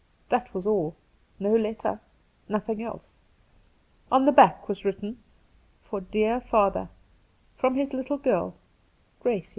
That was all! No letter, nothing else. On the back was written, ' For dear Father, from his little girl, Gracie.'